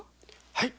はい。